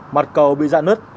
mặt cầu bị dạ nứt